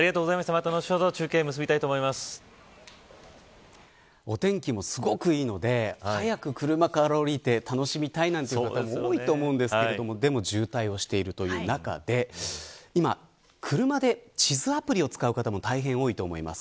また後ほどお天気もすごくいいので早く車から降りて楽しみたいという方も多いと思うんですがでも渋滞もしているという中で今、車で地図アプリを使う方も大変多いと思います。